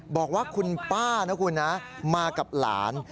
บอกว่าคุณป้านะคุณนะมากับหลาน